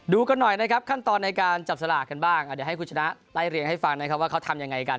กันหน่อยนะครับขั้นตอนในการจับสลากกันบ้างเดี๋ยวให้คุณชนะไล่เรียงให้ฟังนะครับว่าเขาทำยังไงกัน